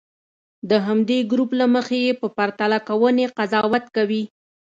د همدې ګروپ له مخې یې په پرتله کوونې قضاوت کوي.